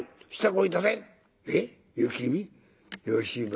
よし。